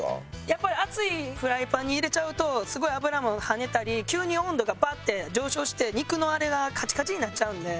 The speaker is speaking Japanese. やっぱり熱いフライパンに入れちゃうとすごい油も跳ねたり急に温度がバッて上昇して肉のあれがカチカチになっちゃうんで。